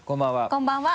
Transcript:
こんばんは。